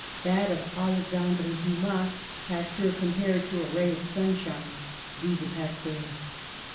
That of Alexandre Dumas Pasteur compared to a ray of sunshine. (Vie de Pasteur.)